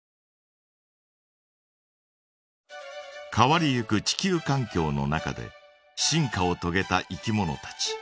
変わりゆく地球かん境の中で進化をとげたいきものたち。